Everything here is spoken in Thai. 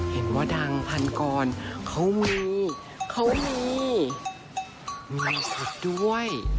เห็นว่าดังพันกรเขามีเขามีมีสุดด้วย